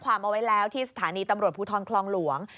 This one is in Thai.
ความเอาไว้แล้วที่สถานีตำรวจภูทรคลองหลวง